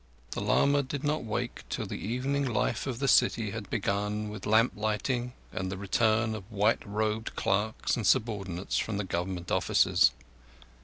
The lama did not wake till the evening life of the city had begun with lamp lighting and the return of white robed clerks and subordinates from the Government offices.